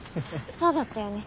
そうだったよね。